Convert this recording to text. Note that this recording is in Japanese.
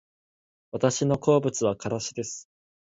私の好物はからしです